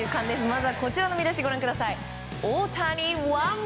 まずはこちらの見出しをご覧ください。